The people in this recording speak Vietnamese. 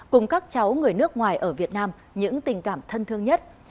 cùng các cháu người nước ngoài ở việt nam những tình cảm thân thương nhất